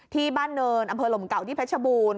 ที่บ้านเนินอำเภอหลมเก่าที่เพชรบูรณ์